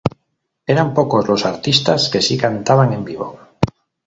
Eran pocos los artistas que si cantaban en vivo.